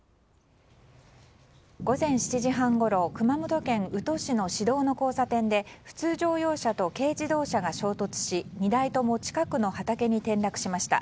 午前７時半ごろ熊本県宇土市の市道の交差点で普通乗用車と軽自動車が衝突し２台とも近くの畑に転落しました。